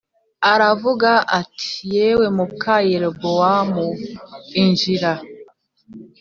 aravuga ati “Yewe muka Yerobowamu, injira